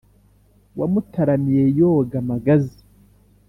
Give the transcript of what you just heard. Wamutaramiye yoga magazi